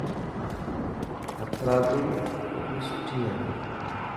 هٿرادو ٽوپي سٺي هي.